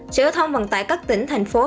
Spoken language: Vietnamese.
sở giao thông vận tải các tỉnh thành phố